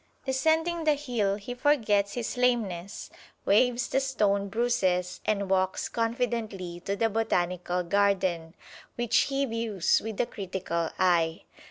Descending the hill he forgets his lameness, waives the stone bruises, and walks confidently to the Botanical Garden, which he views with a critical eye.